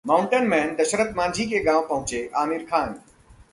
'mountain man' Dashrath Manjhi के गांव पहुंचे आमिर खान